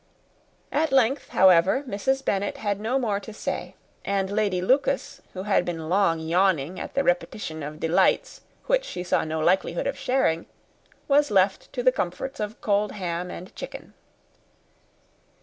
At length, however, Mrs. Bennet had no more to say; and Lady Lucas, who had been long yawning at the repetition of delights which she saw no likelihood of sharing, was left to the comforts of cold ham and chicken.